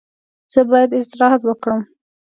زه باید استراحت وکړم.